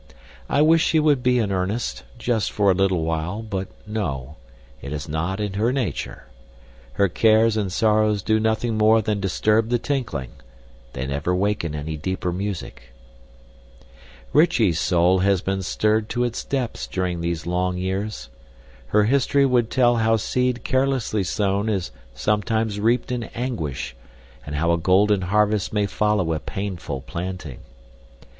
I wish she would be in earnest, just for a little while, but no; it is not in her nature. Her cares and sorrows do nothing more than disturb the tinkling; they never waken any deeper music. Rychie's soul has been stirred to its depths during these long years. Her history would tell how seed carelessly sown is sometimes reaped in anguish and how a golden harvest may follow a painful planting.